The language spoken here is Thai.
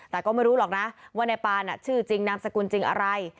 แต่ก็ไม่รู้หรอกนะว่านายปานชื่อจริงนามสกุลจริงอะไร